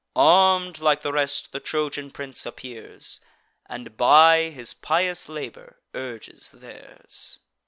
Arm'd like the rest the Trojan prince appears, And by his pious labour urges theirs.